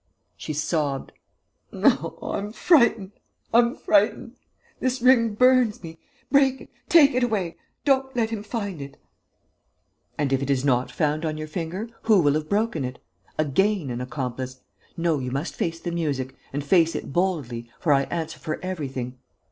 She sobbed: "I'm frightened.... I'm frightened ... this ring burns me.... Break it.... Take it away.... Don't let him find it!" "And if it is not found on your finger, who will have broken it? Again an accomplice.... No, you must face the music ... and face it boldly, for I answer for everything....